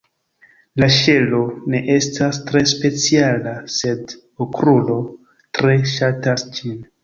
La ŝelo ne estas tre speciala, sed Okrulo tre ŝatas ĝin.